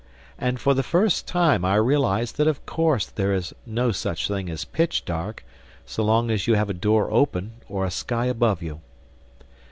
And for the first time I realized that of course there is no such thing as pitch dark, so long as you have a door open or a sky above you.